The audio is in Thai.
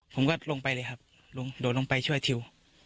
ผมก็ลงไปเลยครับลงโดดลงไปช่วยทิว